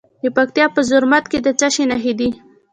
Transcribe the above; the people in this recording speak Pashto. د پکتیا په زرمت کې د څه شي نښې دي؟